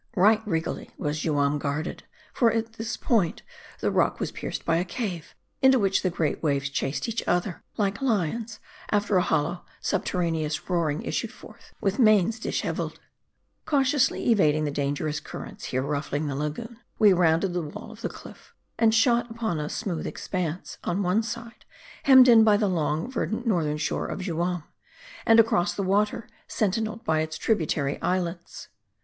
Right regally was Juam guarded. For, ,at this point, the rock was pierced by a cave, into which the great waves chased each other like lions ; after a hollow, subterraneous roaring issuing forth with manes disheveled. Cautiously evading the dangerous currents here ruffling the lagoon, we rounded the wall of cliff, and shot upon a smooth expanse ; on one side, hemmed in by the long, ver 254 MARDI. dent, northern shore of Juam ; and across the water, senti neled by its tributary islets.